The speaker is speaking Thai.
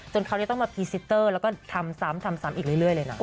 จนเขาจะต้องมาพรีซิเตอร์และก็ทำซ้ำอีกเรื่อยเลยน่ะ